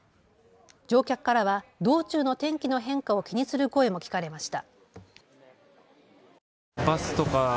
乗客からは道中の天気の変化を気にする声も聞かれました。